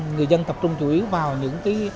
người dân tập trung chủ yếu vào những cái